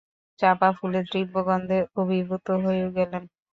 চাঁপা ফুলের তীব্র গন্ধে অভিভূত হয়ে গেলেন।